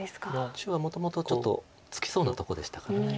地はもともとちょっとつきそうなとこでしたから。